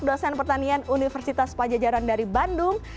dosen pertanian universitas pajajaran dari bandung